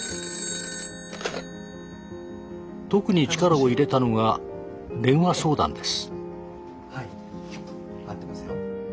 ☎特に力を入れたのが電話相談です。